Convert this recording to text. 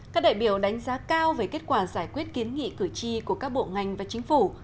các đại biểu đánh giá cao về kết quả giải quyết kiến nghị cử tri của các bộ ngành và chính phủ